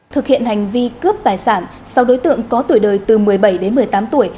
thực hiện hành vi cướp tài sản sau đối tượng có tuổi đời từ một mươi bảy đến một mươi tám tuổi